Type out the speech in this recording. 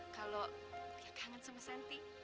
kalau dia kangen sama santi